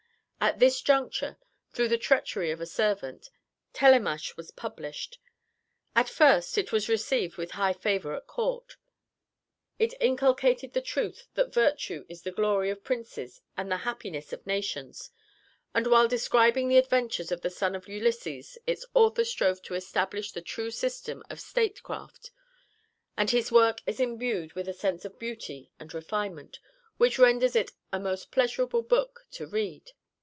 At this juncture, through the treachery of a servant, Télémache was published. At first it was received with high favour at Court. It inculcated the truth that virtue is the glory of princes and the happiness of nations, and while describing the adventures of the son of Ulysses its author strove to establish the true system of state craft, and his work is imbued with a sense of beauty and refinement which renders it a most pleasurable book to read.